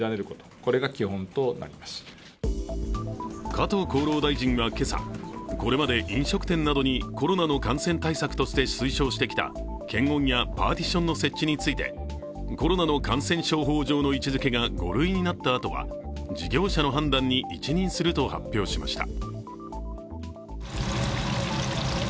加藤厚労大臣は今朝、これまで飲食店などにコロナの感染対策として推奨してきた検温やパーティションの設置についてコロナの感染症法上の位置づけが５類になったあとは事業者の判断に一任すると発表しました。